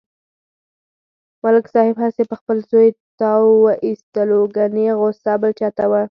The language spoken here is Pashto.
ملک صاحب هسې په خپل زوی تاو و ایستلو کني غوسه بل چاته و.